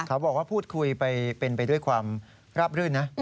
เขาบอกว่าพูดคุยไปเป็นไปด้วยความราบรื่นนะ